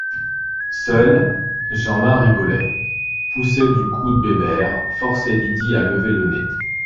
Seul, Jeanlin rigolait, poussait du coude Bébert, forçait Lydie à lever le nez.